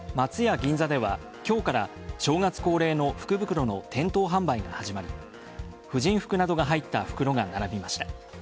銀座では今日から正月恒例の福袋の店頭販売が始まり、婦人服などが入った袋が並びました。